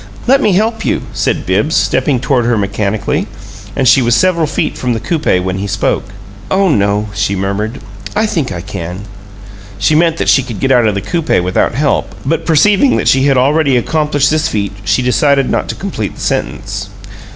"Let me help you," said Bibbs, stepping toward her mechanically; and she was several feet from the coupe when he spoke. "Oh no," she murmured. "I think I can " She meant that she could get out of the coupe without help, but, perceiving that she had already accomplished this feat, she decided not to complete the sentence.